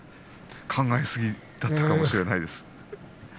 考えすぎだったかもしれません。